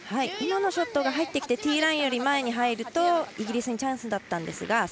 今のショットが入ってきてティーラインより前に入るとイギリスにチャンスだったんですが。